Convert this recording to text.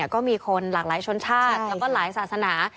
ก็มีคนหลากหลายชนชาติแล้วก็หลายศาสนา